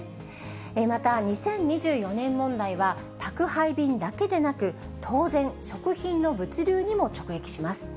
また２０２４年問題は、宅配便だけでなく、当然、食品の物流にも直撃します。